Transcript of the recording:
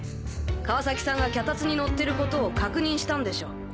川崎さんが脚立に乗ってることを確認したんでしょ。